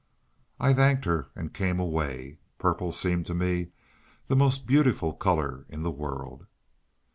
I thanked her, and came away. Purple seemed to me the most beautiful colour in the world.